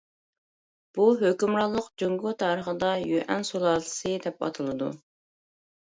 بۇ ھۆكۈمرانلىق جۇڭگو تارىخىدا يۈەن سۇلالىسى دەپ ئاتىلىدۇ.